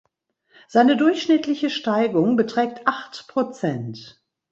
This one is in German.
Seine durchschnittliche Steigung beträgt acht Prozent.